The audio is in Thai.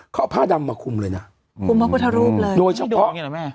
เขาเอาผ้าดำมาคุมเลยนะคุมพระพุทธรูปเลยโดยเฉพาะไงล่ะแม่